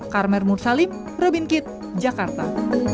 karmair mursalim robin kit jakarta